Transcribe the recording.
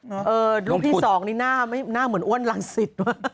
อืมลูกพี่สองนี่หน้าเหมือนอ้วนลังศิษฐ์ว่ะ